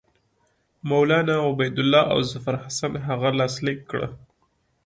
مولنا عبیدالله او ظفرحسن هغه لاسلیک کړه.